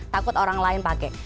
takut orang lain pakai